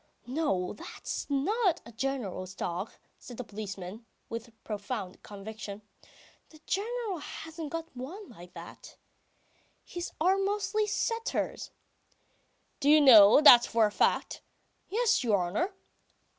"No, that's not the General's dog," says the policeman, with profound conviction, "the General hasn't got one like that. His are mostly setters." "Do you know that for a fact?" "Yes, your honour."